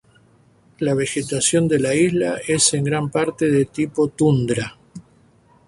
La vegetación de la isla es en gran parte de tipo tundra.